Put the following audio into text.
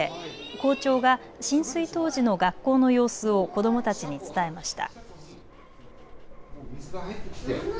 校長が浸水当時の学校の様子を子どもたちに伝えました。